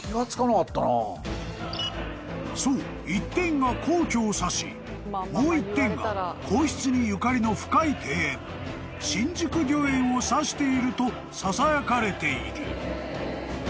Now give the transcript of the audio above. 一点が皇居を指しもう一点が皇室にゆかりの深い庭園新宿御苑を指しているとささやかれている］